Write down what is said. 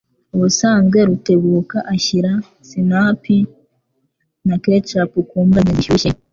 Ubusanzwe Rutebuka ashyira sinapi na ketchup ku mbwa ze zishyushye.